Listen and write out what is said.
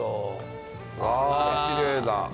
ああー、きれいだ。